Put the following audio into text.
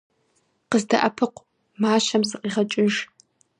КъыздэӀэпыкъу! Мащэм сыкъигъэкӀыж!